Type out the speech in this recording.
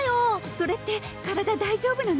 それって体大丈夫なの？